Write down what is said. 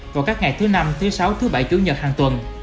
vào các ngày thứ năm thứ sáu thứ bảy chủ nhật hàng tuần